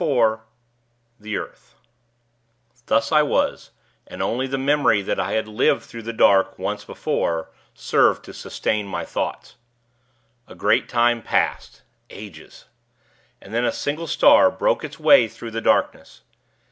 IV THE EARTH Thus I was, and only the memory that I had lived through the dark, once before, served to sustain my thoughts. A great time passed ages. And then a single star broke its way through the darkness.